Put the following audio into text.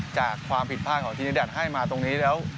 จากความผิดพลาดของธินิดาตให้มาตรงนี้แล้ว